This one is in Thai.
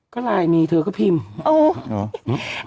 ก็ไลน์มีเธอก็พิมพ์